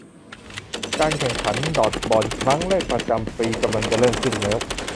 การแข่งขันดอดจ์บอลครั้งแรกประจำปีกำลังจะเริ่มขึ้นแล้ว